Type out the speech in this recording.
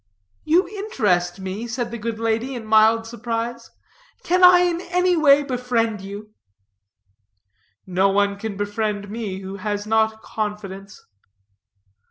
"You interest me," said the good lady, in mild surprise. "Can I any way befriend you?" "No one can befriend me, who has not confidence."